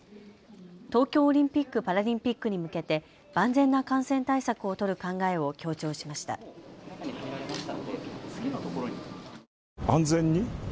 東京オリンピック・パラリンピックに向けて万全な感染対策を取る考えを強調しました。